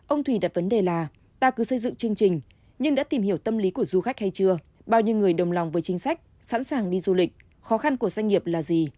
ông thùy đặt vấn đề là ta cứ xây dựng chương trình nhưng đã tìm hiểu tâm lý của du khách hay chưa bao nhiêu người đồng lòng với chính sách sẵn sàng đi du lịch khó khăn của doanh nghiệp là gì